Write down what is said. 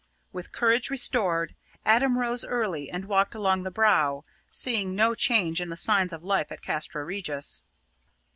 With courage restored, Adam rose early and walked along the Brow, seeing no change in the signs of life in Castra Regis.